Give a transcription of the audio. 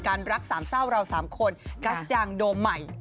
รักสามเศร้าเราสามคนกัสดังโดมใหม่